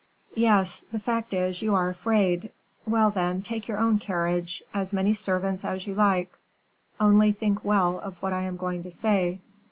"Yes; the fact is, you are afraid. Well, then, take your own carriage, as many servants as you like, only think well of what I am going to say.